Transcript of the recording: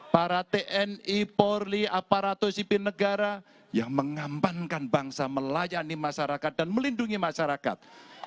para tni polri aparatur sipil negara yang mengambankan bangsa melayani masyarakat dan melindungi masyarakat